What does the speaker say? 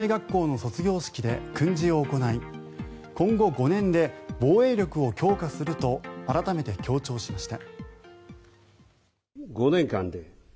岸田総理大臣は防衛大学校の卒業式で訓示を行い今後５年で防衛力を強化すると改めて強調しました。